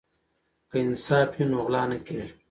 که انصاف وي نو غلا نه کیږي.